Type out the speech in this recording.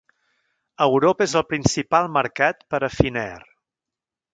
Europa és el principal mercat per a Finnair.